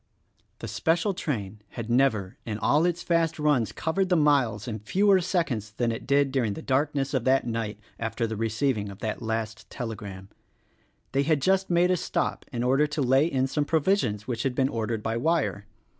The special train had never in all its fast runs covered the miles in fewer seconds than it did during the darkness of that night after the receiving of that last telegram. They had just made a stop in order to lay in some pro visions which had been ordered by wire.